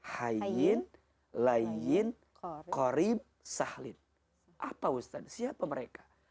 hayyin layyin qorib sahlin apa ustaz siapa mereka